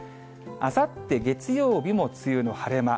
あさって月曜日も梅雨の晴れ間。